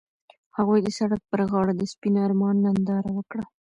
هغوی د سړک پر غاړه د سپین آرمان ننداره وکړه.